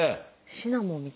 シナモンみたいな。